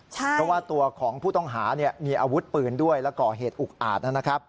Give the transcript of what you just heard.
เพราะว่าตัวของผู้ต้องหามีอาวุธปืนด้วยและก่อเหตุอุกอาจนะครับ